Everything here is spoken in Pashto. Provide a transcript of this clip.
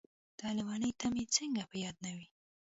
داح لېونۍ ته مې څنګه په ياده نه وې.